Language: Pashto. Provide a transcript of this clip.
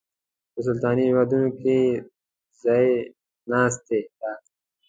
په سلطنتي هېوادونو کې د ځای ناستي ټاکنه